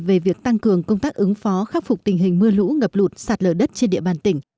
về việc tăng cường công tác ứng phó khắc phục tình hình mưa lũ ngập lụt sạt lở đất trên địa bàn tỉnh